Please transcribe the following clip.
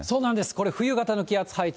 これ、冬型の気圧配置。